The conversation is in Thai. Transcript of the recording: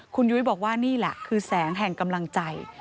คุณยุ้ยบอกว่านี่แหละคือแสงแห่งกำลังใจ